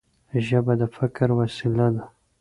ژبه د فکر وسیله ده.